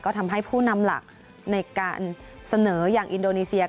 ก็ทำให้ผู้นำหลักในการเสนออย่างอินโดนีเซีย